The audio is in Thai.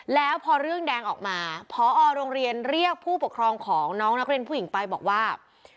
แล้วพอเรื่องแดงออกมาพอโรงเรียนเรียกผู้ปกครองของน้องนักเรียนผู้หญิงไปบอกว่า